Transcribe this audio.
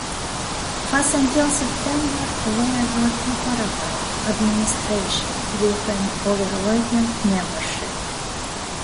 Thus, until September there were two parallel administrations, with an overlapping membership.